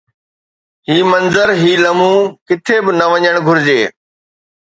هي منظر، هي لمحو ڪٿي به نه وڃڻ گهرجي